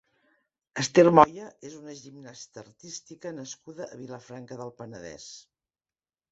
Esther Moya és una gimnasta artística nascuda a Vilafranca del Penedès.